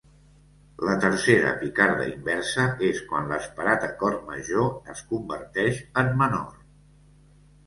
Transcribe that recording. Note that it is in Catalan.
La tercera picarda inversa és quan l'esperat acord major es converteix en menor.